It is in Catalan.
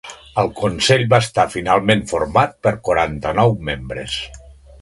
El consell va estar finalment format per quaranta-nou membres.